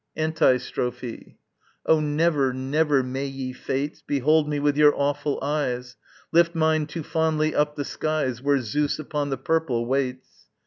Antistrophe. Oh, never, never may ye, Fates, Behold me with your awful eyes Lift mine too fondly up the skies Where Zeus upon the purple waits!